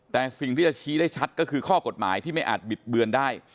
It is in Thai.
แต่สิ่งที่จะชี้ได้ชัดก็คือข้อกฎหมายที่ไม่อาจบิดเบือนได้